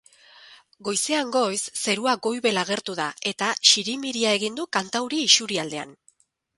Goizean goiz zerua goibel agertu da eta zirimiria egin du kantauri isurialdean.